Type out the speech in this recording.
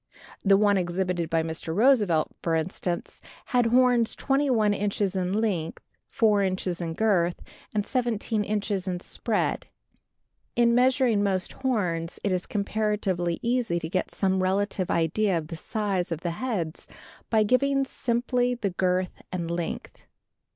The one exhibited by Mr. Roosevelt, for instance, had horns 21 inches in length, 4 inches in girth and 17 inches in spread. In measuring most horns it is comparatively easy to get some relative idea of the size of the heads by giving simply the girth and length.